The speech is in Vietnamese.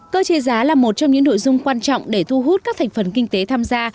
cơ chế giá là một trong những nội dung quan trọng để thu hút các thành phần kinh tế tham gia